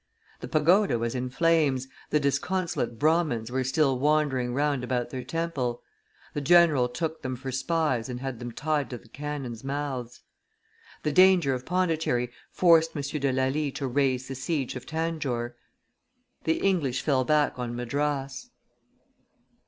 The pagoda was in flames, the disconsolate Brahmins were still wandering round about their temple; the general took them for spies, and had them tied to the cannons' mouths. The danger of Pondicherry forced M. de Lally to raise the siege of Tanjore; the English fell back on Madras.